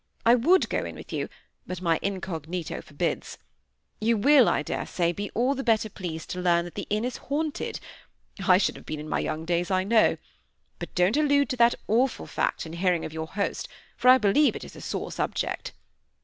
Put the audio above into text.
I would go in with you, but my incognito forbids. You will, I daresay, be all the better pleased to learn that the inn is haunted I should have been, in my young days, I know. But don't allude to that awful fact in hearing of your host, for I believe it is a sore subject.